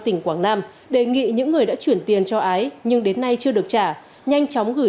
tỉnh quảng nam đề nghị những người đã chuyển tiền cho ái nhưng đến nay chưa được trả nhanh chóng gửi